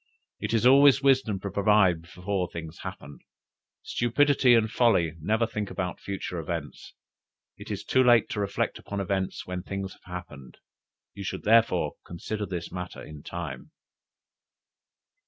It is always wisdom to provide before things happen; stupidity and folly never think about future events. It is too late to reflect upon events when things have happened; you should, therefore, consider this matter in time!'"